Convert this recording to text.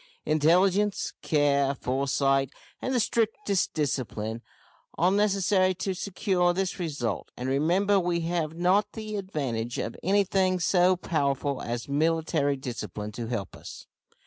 Intelligence, care, foresight, and the strictest discipline, are necessary to secure this result; and, remember, we have not the advantage of anything so powerful as military discipline to help us.